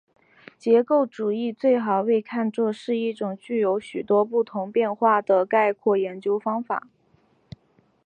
结构主义最好被看作是一种具有许多不同变化的概括研究方法。